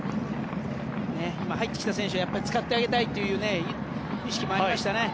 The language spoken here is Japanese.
今、入ってきた選手を使ってあげたいという意識もありましたね。